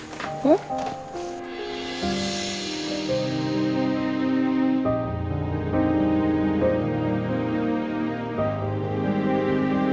tante mikirin apa sih